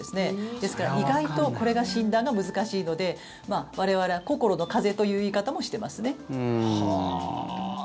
ですから意外と診断が難しいので我々は、心の風邪という言い方もしていますね。